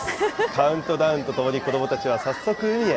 カウントダウンとともに子どもたちはさっそく海へ。